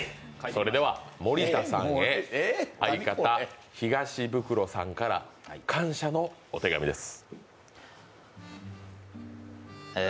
それでは森田さんへ、相方・東ブクロさんから感謝のお手紙です。